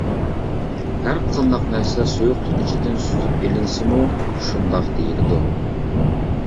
ھەرقانداق نەرسە سۇيۇقلۇق ئىچىدىن سۈزۈپ ئېلىنسىمۇ شۇنداق دېيىلىدۇ.